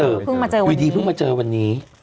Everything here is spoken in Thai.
ไม่เจอเพิ่งมาเจอวันนี้อยู่ดีเพิ่งมาเจอวันนี้